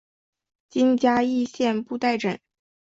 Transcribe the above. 今嘉义县布袋镇。